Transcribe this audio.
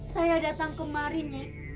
saya datang kemari nyi